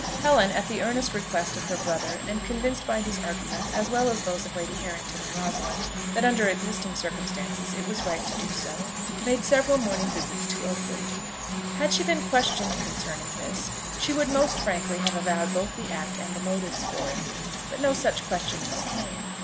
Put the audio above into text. Helen, at the earnest request of her brother, and convinced by his arguments, as well as those of Lady Harrington and Rosalind, that, under existing circumstances, it was right to do so, made several morning visits to Oakley. Had she been questioned concerning this, she would most frankly have avowed both the act and the motives for it. But no such questionings came.